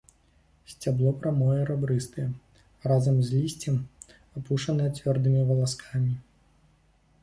Сцябло прамое, рабрыстае, разам з лісцем апушанае цвёрдымі валаскамі.